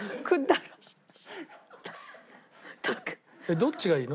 どっちがいいの？